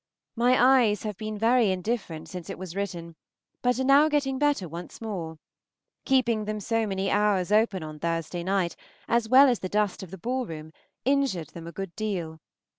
My eyes have been very indifferent since it was written, but are now getting better once more; keeping them so many hours open on Thursday night, as well as the dust of the ballroom, injured them a good deal.